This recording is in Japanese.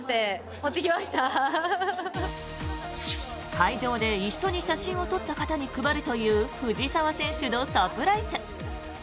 会場で一緒に写真を撮った方に配るという藤澤選手のサプライズ。